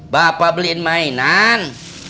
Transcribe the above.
bapak beliin mainan